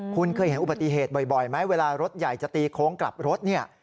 คุณเคยเห็นอุบัติเหตุบ่อยไหมเวลารถใหญ่จะตีโค้งกลับรถเนี่ย